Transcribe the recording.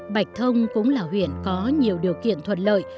bạch thông cũng là huyện có nhiều điều kiện thuận lợi